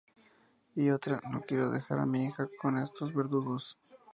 Y otra: "No quiero dejar a mi hija con estos verdugos!".